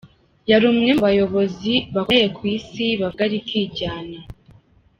Yari umwe mu bayobozi bakomeye ku isi bavuga rikijyana.